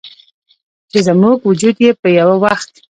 چې زموږ وجود یې په یوه وخت